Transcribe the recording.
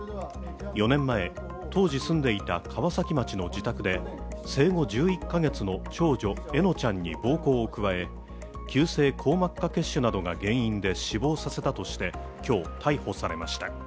４年前、当時住んでいた川崎町の自宅で生後１１カ月の長女、笑乃ちゃんに暴行を加え、急性硬膜下血腫などが原因で死亡させたとして今日、逮捕されました。